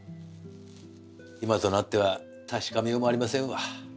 今となっては確かめようもありませんわ。